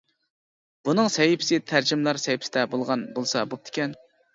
بۇنىڭ سەھىپىسى تەرجىمىلەر سەھىپىسىدە بولغان بولسا بوپتىكەن.